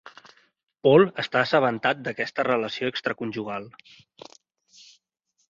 Paul està assabentat d'aquesta relació extraconjugal.